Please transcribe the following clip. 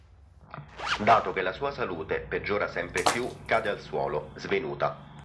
Dato che la sua salute peggiora sempre più, cade al suolo, svenuta.